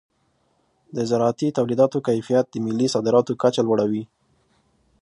د زراعتي تولیداتو کیفیت د ملي صادراتو کچه لوړوي.